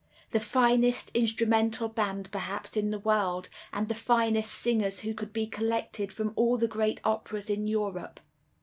The finest instrumental band, perhaps, in the world, and the finest singers who could be collected from all the great operas in Europe.